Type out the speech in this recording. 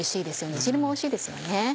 煮汁もおいしいですよね。